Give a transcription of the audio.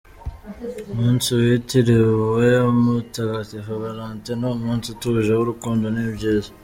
Umunsi witiriwe mutagatifu Velentin ni umunsi utuje, w’urukundo n’ibyiza.